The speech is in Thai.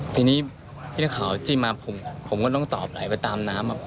ทีนี้พี่นักข่าวจิ้มมาผมก็ต้องตอบไหลไปตามน้ำ